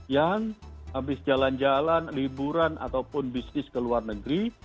yang habis jalan jalan liburan ataupun bisnis ke luar negeri